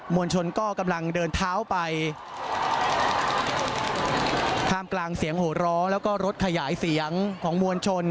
วลชนก็กำลังเดินเท้าไปท่ามกลางเสียงโหร้อแล้วก็รถขยายเสียงของมวลชน